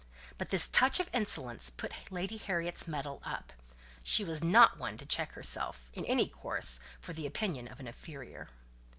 But this touch of insolence put Lady Harriet's mettle up; and she was not one to check herself, in any course, for the opinion of an inferior.